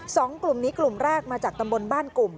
สองกลุ่มนี้กลุ่มแรกมาจากตำบลบ้านกลุ่ม